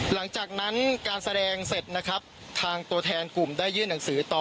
หลังจากนั้นการแสดงเสร็จนะครับทางตัวแทนกลุ่มได้ยื่นหนังสือต่อ